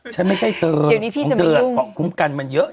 ฉันไม่ใช่เธอเดี๋ยวนี้พี่จะไม่รู้คุณเธออ่ะเกาะคุ้มกันมันเยอะ